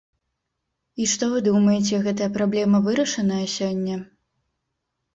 І што вы думаеце, гэтая праблема вырашаная сёння?